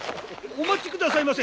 おお待ちくださいませ。